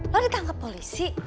lo ditangkap polisi